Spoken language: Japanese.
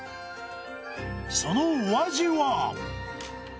そのお味は？